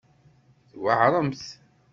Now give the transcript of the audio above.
Tweɛremt.